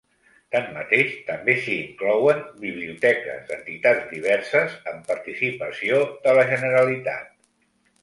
Tanmateix també s'hi inclouen biblioteques d'entitats diverses amb participació de la Generalitat.